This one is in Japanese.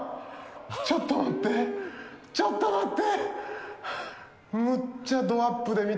ちょっと待ってちょっと待って。